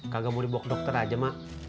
kagak mau dibawa ke dokter aja mah